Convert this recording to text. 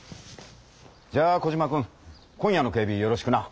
じゃあコジマくん今夜の警備よろしくな。